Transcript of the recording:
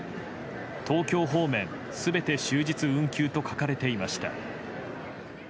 東京方面全て終日運休と書かれていました。